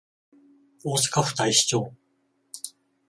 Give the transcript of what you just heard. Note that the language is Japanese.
大阪府太子町